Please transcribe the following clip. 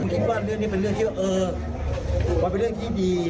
คิดว่าเรื่องนี้เป็นเรื่องที่ว่าเออมันเป็นเรื่องที่ดี